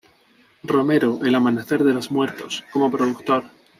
Romero, "El amanecer de los muertos", como productor.